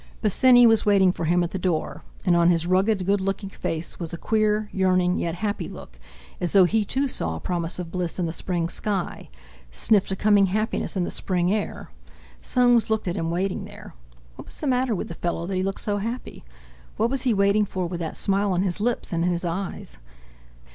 Bosinney was waiting for him at the door; and on his rugged, good looking, face was a queer, yearning, yet happy look, as though he too saw a promise of bliss in the spring sky, sniffed a coming happiness in the spring air. Soames looked at him waiting there. What was the matter with the fellow that he looked so happy? What was he waiting for with that smile on his lips and in his eyes?